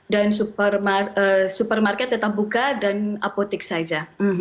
dan supermarket tetap buka dan apotik saja